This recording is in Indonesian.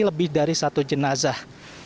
lebih dari satu jenazah